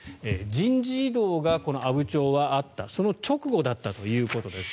人事異動が阿武町はあったその直後だったということです。